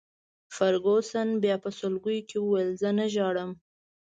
فرګوسن بیا په سلګیو کي وویل: زه نه ژاړم.